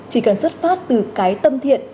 chỉ cần xuất phát từ cái tâm thiện